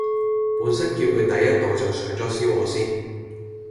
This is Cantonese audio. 本身叫佢第一道就上左燒鵝先